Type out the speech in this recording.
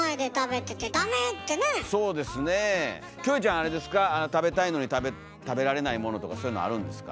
あれですか食べたいのに食べられないものとかそういうのあるんですか？